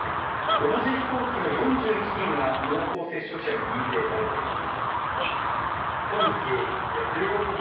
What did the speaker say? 同じ飛行機の４１人が濃厚接触者に認定されています。